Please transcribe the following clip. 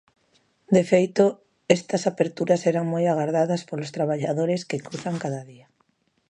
De feito, estas aperturas eran moi agardadas polos traballadores que cruzan cada día.